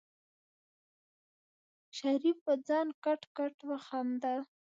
شريف په ځان کټ کټ وخندل.